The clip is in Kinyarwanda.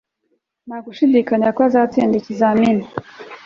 Nta gushidikanya ko azatsinda ikizamini